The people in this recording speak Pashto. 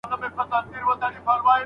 بد نيت بد منزل لري.